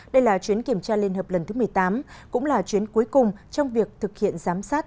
đây là chuyến kiểm tra liên hợp lần thứ một mươi tám cũng là chuyến cuối cùng trong việc thực hiện giám sát